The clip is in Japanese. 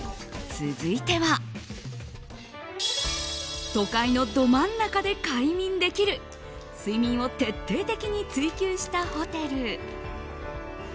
続いては都会のど真ん中で快眠できる睡眠を徹底的に追求したホテル。